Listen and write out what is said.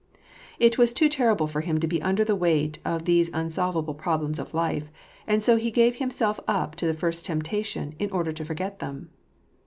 It was too ter rible for him to be under the weight of these unsolvable prob lems of life ; and so he gave himself up to the first temptation, in order to forget them.